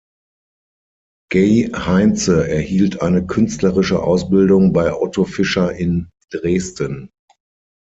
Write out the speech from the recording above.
Gey-Heinze erhielt eine künstlerische Ausbildung bei Otto Fischer in Dresden.